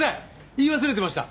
言い忘れてました。